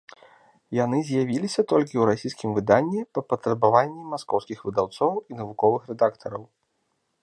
Яны з'явіліся толькі ў расійскім выданні па патрабаванні маскоўскіх выдаўцоў і навуковых рэдактараў.